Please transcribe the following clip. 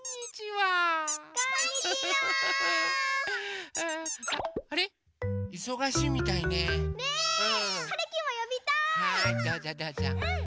はいどうぞどうぞ。